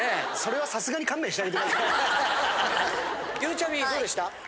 ゆうちゃみどうでした？